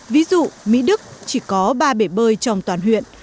ví dụ mỹ đức chỉ có ba bể bơi trong toàn huyện